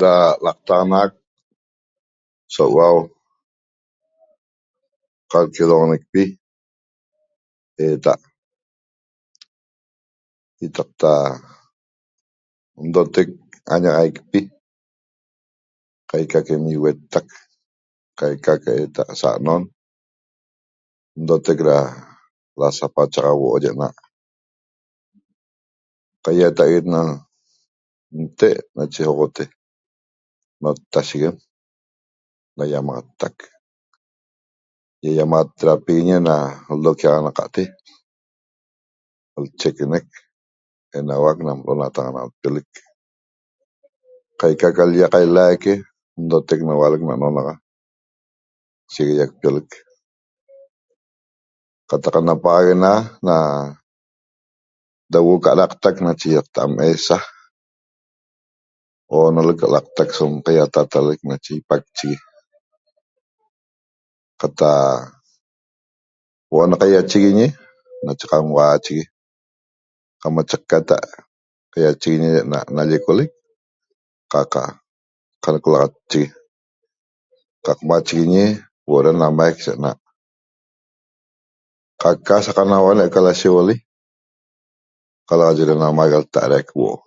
Da laqtaxanaxaq so huau qalquionecpi eta Ietaqta ndoteq añaxaicpi qaica qa ivecteq qaiqa ca saha'non ndoteq da lasapachaxa na naa' cahuataguet na n'te nache uxute nottesheguem nañamaxateq ihehiamaxatiguiñe na loquianaxate l'cheqneq enauaq na lentaxanaqte caiqa ca l'lia cailaque ndoteq ualeq na nenaxa shiguiaqpiolec cataq napaxaguena na da huoo' qa adaqtq ioctaha da ahesa unoleq so laqtaca so qaitataleq ipaqchegue cata huoo' na canchiguiñe nache vanhuachegue camachaqatee' na nollecolec ca eca canclaxachegue cam machiguiñe lamaeeq so naa' caica so canbane so laceguee' ca la maeeq huoo'